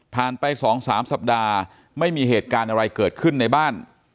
ผ่านไป๒๓สัปดาห์ไม่มีเกิดการอะไรในบ้าน